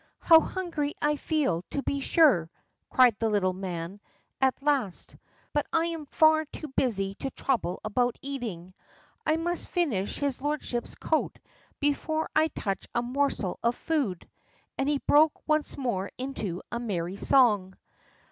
"How hungry I feel, to be sure!" cried the little man, at last; "but I'm far too busy to trouble about eating. I must finish his lordship's coat before I touch a morsel of food," and he broke once more into a merry song.